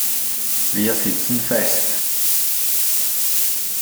Wir sitzen fest.